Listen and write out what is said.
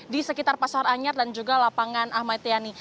di sekitar pasar anyar dan juga lapangan ahmad yani